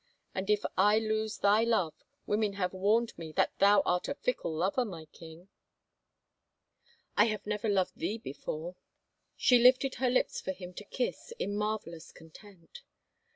And if I lose thy love — women have warned me that thou art a fickle lover, my king !"" I have never loved thee before." She lifted her lips for him to kiss, in marvelous con tent.